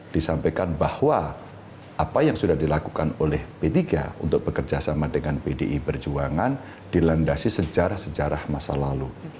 disampaikan bahwa apa yang sudah dilakukan oleh p tiga untuk bekerjasama dengan pdi perjuangan dilandasi sejarah sejarah masa lalu